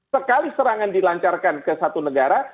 sekali serangan dilancarkan ke satu negara